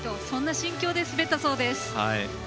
そんな心境で滑ったそうです。